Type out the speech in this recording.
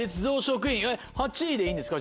８位でいいんですか？